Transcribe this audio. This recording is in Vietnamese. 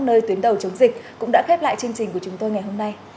nơi tuyến đầu chống dịch cũng đã khép lại chương trình của chúng tôi ngày hôm nay